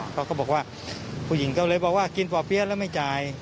เขาก็บอกว่าผู้หญิงก็เลยบอกว่ากินป่อเปี๊ยะแล้วไม่จ่าย